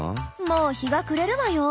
もう日が暮れるわよ。